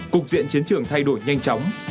cục diện chiến trường thay đổi nhanh chóng